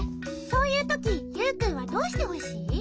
そういうときユウくんはどうしてほしい？